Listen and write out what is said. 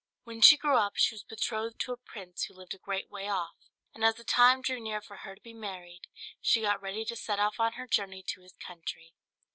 When she grew up, she was betrothed to a prince who lived a great way off; and as the time drew near for her to be married, she got ready to set off on her journey to his country.